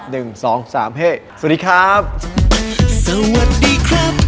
เช็คครับ๑๒